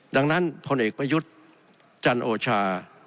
ดังนั้นพลเอกประยุทธ์จันโอชา